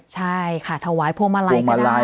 ใช่ค่ะถวายพวงมาลัยก็ได้